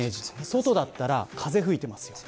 外だったら風が吹いていますよ。